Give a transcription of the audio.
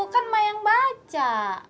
kan ma yang baca